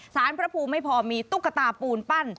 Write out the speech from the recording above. สารพระภูมิไม่พอมีตุ๊กตาปูนปั้น